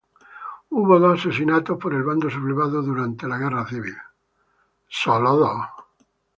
Hubo dos asesinatos por el bando sublevado durante la guerra civil.